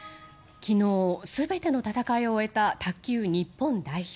昨日、全ての戦いを終えた卓球日本代表。